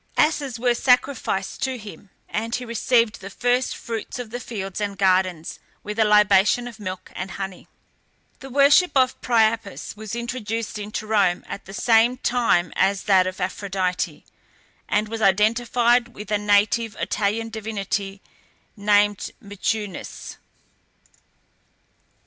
Asses were sacrificed to him, and he received the first fruits of the fields and gardens, with a libation of milk and honey. The worship of Priapus was introduced into Rome at the same time as that of Aphrodite, and was identified with a native Italian divinity named Mutunus.